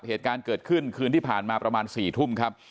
เหตุการณ์เกิดขึ้นคืนที่ผ่านมาประมาณ๔ทุ่มครับ